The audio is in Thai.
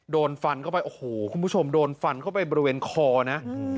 โดนฟันเข้าไปโอ้โหคุณผู้ชมโดนฟันเข้าไปบริเวณคอนะ